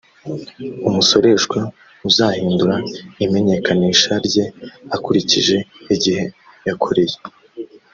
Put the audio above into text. umusoreshwa uzahindura imenyekanisha rye akurikije igihe yakoreye